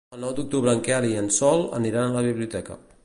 El nou d'octubre en Quel i en Sol aniran a la biblioteca.